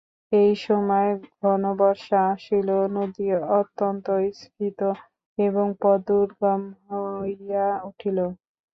এই সময় ঘনবর্ষা আসিল, নদী অত্যন্ত স্ফীত এবং পথ দুর্গম হইয়া উঠিল।